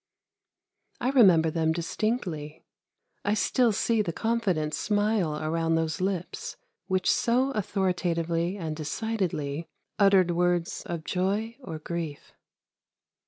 I remember them distinctly. I still see the confident smile around those lips which, so authoritatively and decidedly, uttered words of joy or grief.